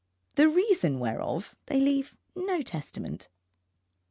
The reason whereof they leave no testament.